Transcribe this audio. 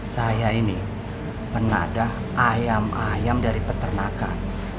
saya ini penadah ayam ayam dari peternakan